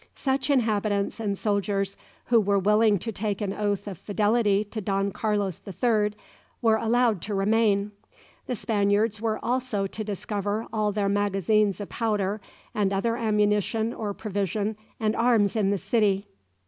Such inhabitants and soldiers who were willing to take an oath of fidelity to Don Carlos the Third were allowed to remain. The Spaniards were also to discover all their magazines of powder and other ammunition or provision and arms in the city.